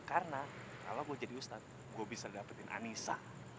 karena kalau gue jadi ustadz gue bisa dapetin anissa